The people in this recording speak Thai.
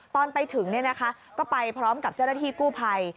ตอนไปถึงก็ไปพร้อมกับเจ้าหน้าที่กู้ภัย